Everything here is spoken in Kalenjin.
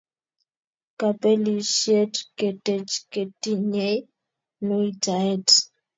Kapelisiet keteche ketinyei nuitaet